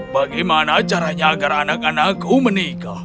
bagaimana caranya agar anak anakku menikah